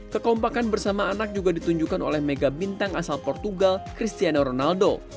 kekompakan bersama anak juga ditunjukkan oleh mega bintang asal portugal cristiano ronaldo